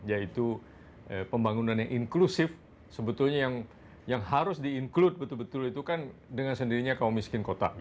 yaitu pembangunan yang inklusif sebetulnya yang harus di include betul betul itu kan dengan sendirinya kaum miskin kota